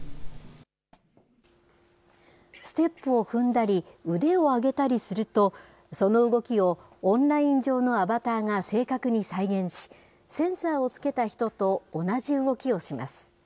ステップを踏んだり、腕をあげたりすると、その動きをオンライン上のアバターが正確に再現し、センサーをつけた人と同じ動きをします。